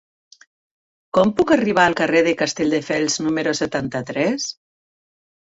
Com puc arribar al carrer de Castelldefels número setanta-tres?